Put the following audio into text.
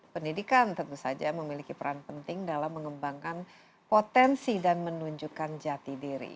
pendidikan tentu saja memiliki peran penting dalam mengembangkan potensi dan menunjukkan jati diri